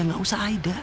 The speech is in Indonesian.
gak usah aida